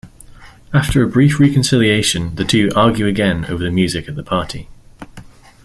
After a brief reconciliation, the two argue again over the music at the party.